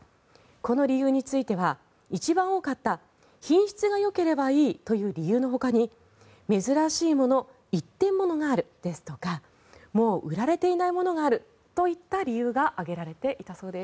この理由については一番多かった品質がよければいいという理由のほかに珍しいもの・一点物があるですとかもう売られていないものがあるといった理由が挙げられていたそうです。